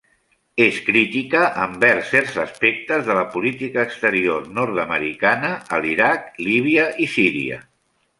És crítica envers certs aspectes de la política exterior nord-americana a l'Iraq, Líbia i Síria.